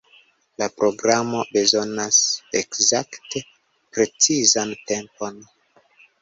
La programo bezonas ekzakte precizan tempon.